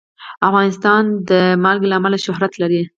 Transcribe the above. افغانستان د نمک له امله شهرت لري.